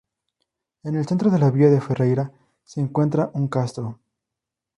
En el centro de la villa de Ferreira se encuentra un castro.